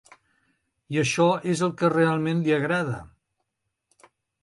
I això és el que realment li agrada.